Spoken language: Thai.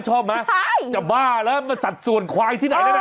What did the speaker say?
จะบ้าแล้วสัตว์สวนควายที่ไหน